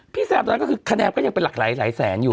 แซมตอนนั้นก็คือคะแนนก็ยังเป็นหลักหลายแสนอยู่